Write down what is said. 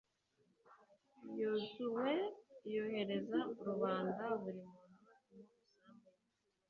yozuwe yohereza rubanda, buri muntu mu isambu ye